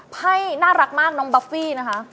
ไพ่น่ารักมากน้องบัฟฟี่นะคะ